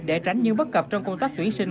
để tránh những bất cập trong công tác tuyển sinh